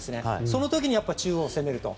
その時は中央を攻めると。